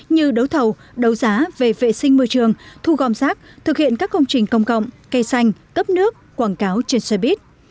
như đấu thầu đấu giá về vệ sinh môi trường thu gom rác thực hiện các công trình công cộng cây xanh cấp nước quảng cáo trên xe buýt